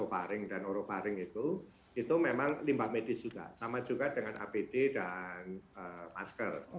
ovaring dan oroparing itu itu memang limbah medis juga sama juga dengan apd dan masker